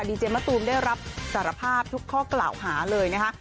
ดีเจมะตูมได้รับสารภาพทุกข้อกล่าวหาเลยนะคะ